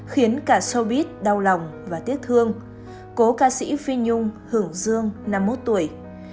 khiến cả sobit đau lòng và tiếc thương cố ca sĩ phi nhung hưởng dương năm mươi một tuổi